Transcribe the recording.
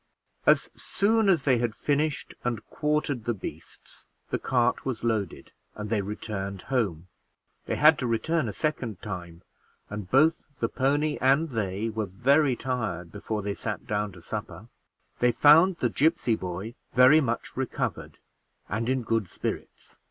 As soon as they had finished and quartered the beasts, the cart was loaded and they returned home; they had to return a second time, and both the pony and they were very tired before they sat down to supper They found the gipsy boy very much recovered and in good spirits.